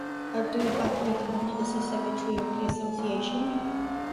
Abdul Barik Khan is the secretary of the association.